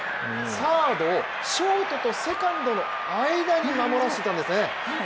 サードをショートとセカンドの間に守らせていたんですね。